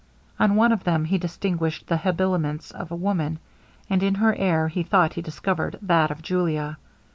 On one of them he distinguished the habiliments of a woman; and in her air he thought he discovered that of Julia.